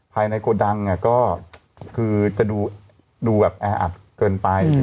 ภายในโกดังก็คือจะดูแบบแอร์อับเกินไปอะไรอย่างเงี้ย